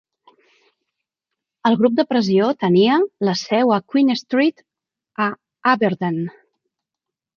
El grup de pressió tenia la seu a Queen Street a Aberdeen.